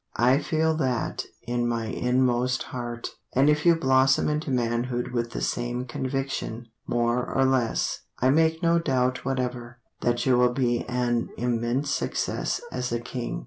I feel that in my inmost heart. And if you blossom into manhood With the same conviction, More or less, I make no doubt whatever That you will be an immense success As a king.